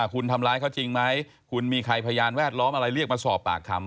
คุณทำร้ายเขาจริงไหมคุณมีใครพยานแวดล้อมอะไรเรียกมาสอบปากคำ